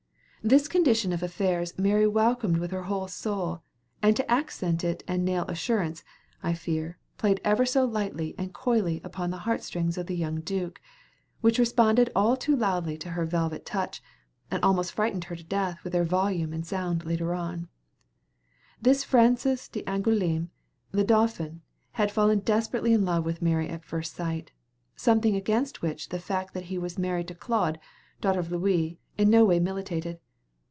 This condition of affairs Mary welcomed with her whole soul, and to accent it and nail assurance, I fear, played ever so lightly and coyly upon the heart strings of the young duke, which responded all too loudly to her velvet touch, and almost frightened her to death with their volume of sound later on. This Francis d'Angouleme, the dauphin, had fallen desperately in love with Mary at first sight, something against which the fact that he was married to Claude, daughter of Louis, in no way militated.